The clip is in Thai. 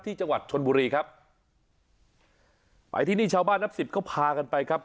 จังหวัดชนบุรีครับไปที่นี่ชาวบ้านนับสิบเขาพากันไปครับ